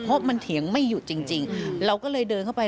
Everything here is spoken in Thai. เพราะมันเถียงไม่หยุดจริงเราก็เลยเดินเข้าไป